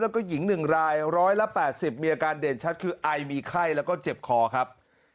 แล้วก็หญิงหนึ่งรายร้อยละแปดสิบมีอาการเด่นชัดคืออายมีไข้แล้วก็เจ็บคอครับ